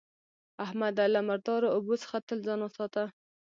احمده! له مردارو اوبو څخه تل ځان ساته.